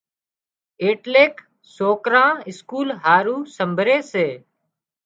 ايٽليڪ سوڪران اسڪول هارُو سمڀرِي ري سي۔